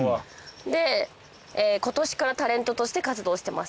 で今年からタレントとして活動してます。